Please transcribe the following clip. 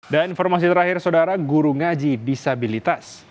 dan informasi terakhir saudara guru ngaji disabilitas